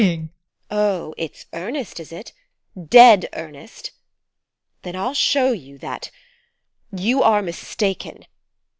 TEKLA. Oh, it's earnest, is it? Dead earnest! Then I'll show you that you are mistaken.